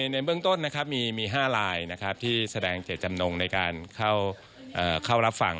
ในเบื้องต้นนะครับมี๕ลายที่แสดงเจตจำนงในการเข้ารับฟัง